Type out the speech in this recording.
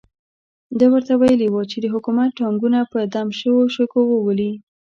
ده ورته ویلي وو چې د حکومت ټانګونه په دم شوو شګو وولي.